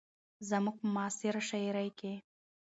زموږ په معاصره شاعرۍ کې